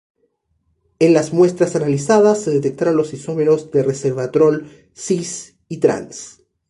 En las muestras analizadas se detectaron los isómeros de resveratrol "cis-" y "trans-.